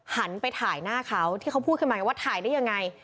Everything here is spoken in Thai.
หันไปถ่ายหน้าเขาที่เขาพูดขึ้นมาว่าถ่ายได้ยังไง